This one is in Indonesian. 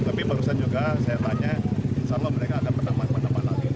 tapi barusan juga saya tanya sama mereka ada penambahan penaman lagi